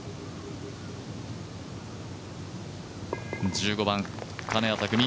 １５番、金谷拓実